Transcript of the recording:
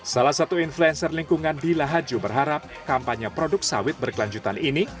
salah satu influencer lingkungan di lahaju berharap kampanye produk sawit berkelanjutan ini